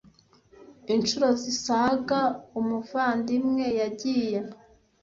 incuro zisaga umuvandimwe yagiye